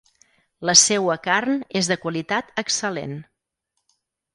La seua carn és de qualitat excel·lent.